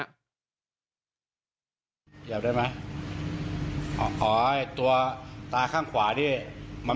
อาการมองเห็นของเราอ่ะ